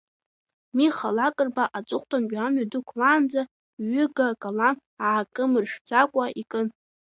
Миха Лакрба аҵыхәтәантәи имҩа дықәлаанӡа, иҩыга калам аакамыршәӡакәа икын.